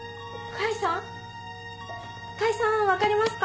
甲斐さんわかりますか？